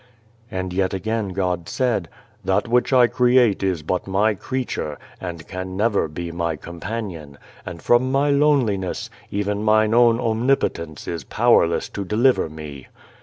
And yet again God said :" That which I create is but My creature, and can never be My companion ; and from My loneliness, even Mine own omnipotence is powerless to deliver Me.